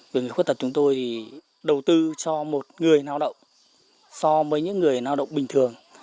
về người khuyết tật chúng tôi thì đầu tư cho một người lao động so với những người lao động bình thường